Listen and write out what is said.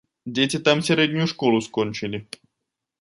Дзеці там сярэднюю школу скончылі.